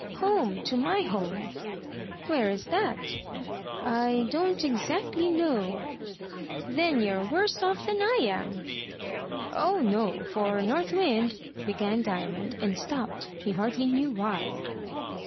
"Home to my home." "Where's that?" "I don't exactly know." "Then you're worse off than I am." "Oh no, for North Wind " began Diamond, and stopped, he hardly knew why.